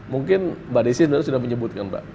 mungkin mbak desy sudah menyebutkan mbak